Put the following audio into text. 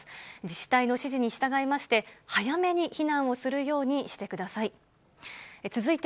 自治体の指示に従いまして、早めに避難をするようにしてください。